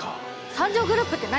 三条グループって何？